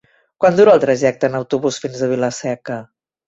Quant dura el trajecte en autobús fins a Vila-seca?